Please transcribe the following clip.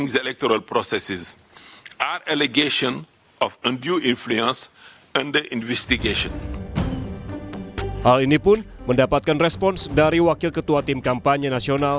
hal ini pun mendapatkan respons dari wakil ketua tim kampanye nasional